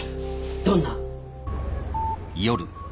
どんな？